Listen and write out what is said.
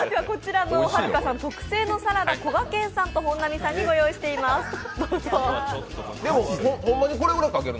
こちらの、はるかさん特製のサラダ、こがけんさんと本並さんにご用意しています。